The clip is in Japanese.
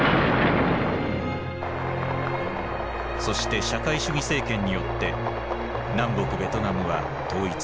そして社会主義政権によって南北ベトナムは統一された。